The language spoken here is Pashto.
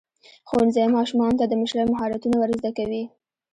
ښوونځی ماشومانو ته د مشرۍ مهارتونه ورزده کوي.